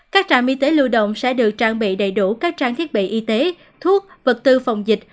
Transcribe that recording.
các trạm y tế lưu động sẽ được trang bị đầy đủ các trang thiết bị y tế thuốc vật tư phòng dịch